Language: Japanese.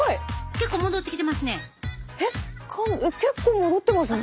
結構戻ってますね。